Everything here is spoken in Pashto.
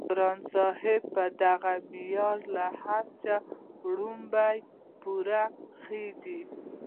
ګران صاحب په دغه معيار له هر چا وړومبی پوره خيژي